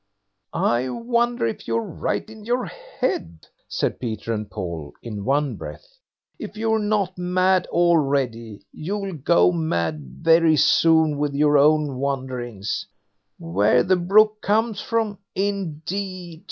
"I wonder if you're right in your head", said Peter and Paul, in one breath. "If you're not mad already, you'll go mad very soon, with your wonderings. Where the brook comes from, indeed!